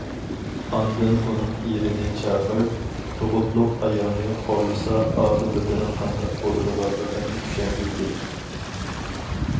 ئاندىن ئۇنىڭ ئېرىنى چاقىرىپ، تۇغۇتلۇق ئايالنى خورلىسا ئاقىۋىتىنىڭ قانداق بولىدىغانلىقىنى چۈشەندۈردى.